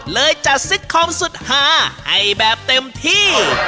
จัดซิตคอมสุดหาให้แบบเต็มที่